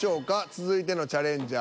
続いてのチャレンジャー。